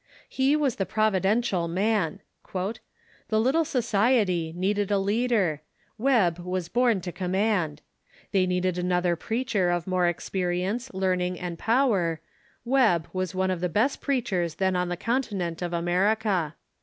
He was the providential man. " The little society needed a leader — Webb was born to command. Tliey needed another preacher of more experience, learning, and poAver — Webb was one of the best preachers then on the continent of America.